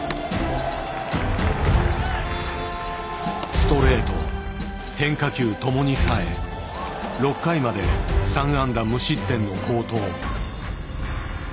ストレート変化球ともに冴え６回まで３安打無失点の好投。